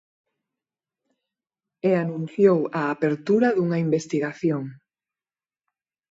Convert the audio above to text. E anunciou a apertura dunha investigación.